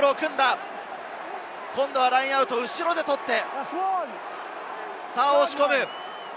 今度はラインアウト、後ろで取って、押し込む。